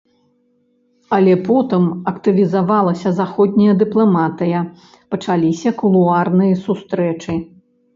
Але потым актывізавалася заходняя дыпламатыя, пачаліся кулуарныя сустрэчы.